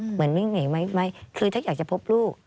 เหมือนวิ่งหนีไหมคือถ้าอยากจะพบลูก